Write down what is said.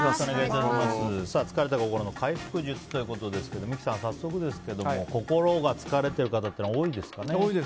疲れた心の回復術ということですけど三木さん、早速ですけど心が疲れている方は多いですかね。